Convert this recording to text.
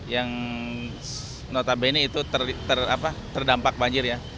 yang notabene itu terdampak banjir ya